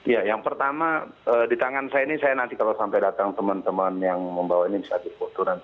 ya yang pertama di tangan saya ini saya nanti kalau sampai datang teman teman yang membawa inisiatif foto nanti